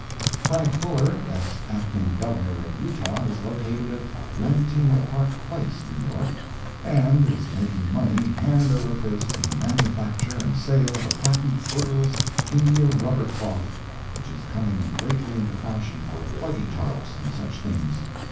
Frank Fuller, ex Acting Governor of Utah, is located at 19 Park place, New York, and is making money hand over fist in the manufacture and sale of a patent odorless India rubber cloth, which is coming greatly into fashion for buggy tops and such things.